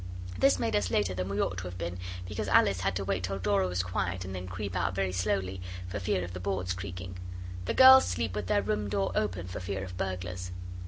This made us later than we ought to have been, because Alice had to wait till Dora was quiet and then creep out very slowly, for fear of the boards creaking. The girls sleep with their room door open for fear of burglars.